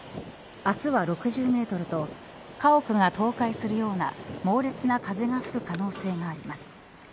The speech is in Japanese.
明日は６０メートルと家屋が倒壊するような猛烈な風が吹く可能性があります。